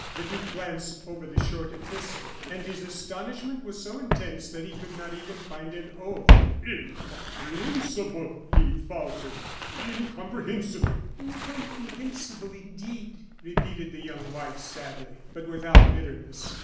The duke glanced over the short epistle, and his astonishment was so intense that he could not even find an oath. "Incomprehensible!" he faltered; "incomprehensible!" "Incomprehensible, indeed," repeated the young wife, sadly, but without bitterness.